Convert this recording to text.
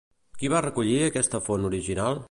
Qui va recollir aquesta font original?